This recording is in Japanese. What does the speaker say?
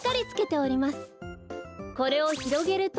これをひろげると。